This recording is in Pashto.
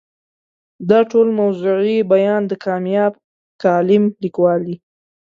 دا ټول موضوعي بیان د کامیاب کالم لیکوال دی.